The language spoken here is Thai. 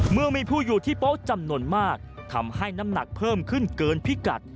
เมื่อมีผู้อยู่ที่โป๊ะจำนวนมากทำให้น้ำหนักเพิ่มขึ้นเกินพิกัด